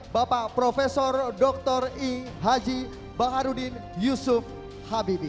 bapak profesor dr i haji baharudin yusuf habibie